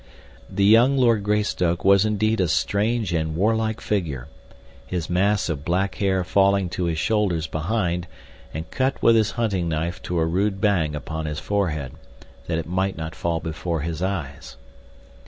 The young Lord Greystoke was indeed a strange and war like figure, his mass of black hair falling to his shoulders behind and cut with his hunting knife to a rude bang upon his forehead, that it might not fall before his eyes.